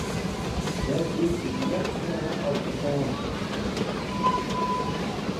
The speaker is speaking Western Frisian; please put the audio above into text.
Wêr giest it leafst hinne op fakânsje?